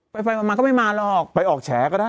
ไปไปมาก็ไม่มาหรอกไปออกแฉก็ได้